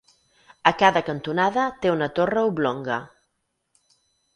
A cada cantonada té una torre oblonga.